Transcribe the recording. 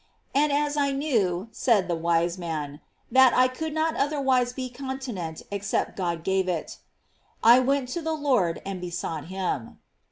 "And as I knew," said the wise man, " that I could not otherwise be continent except God gave it ... .1 went to the Lord and be sought him."